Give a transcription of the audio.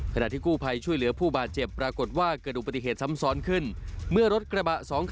ขณะที่กู้ภัยช่วยเหลือผู้บาดเจ็บปรากฏว่าเกิดอุบัติเหตุซ้ำซ้อนขึ้นเมื่อรถกระบะสองคัน